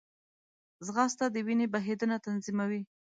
ځغاسته د وینې بهېدنه تنظیموي